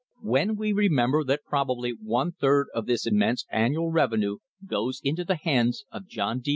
When we remember that probably one third of this immense annual revenue goes into the hands of John D.